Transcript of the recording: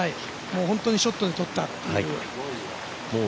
本当にショットでとったという。